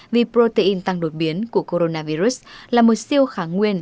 vì protein tăng đột biến của coronavirus là một siêu kháng nguyên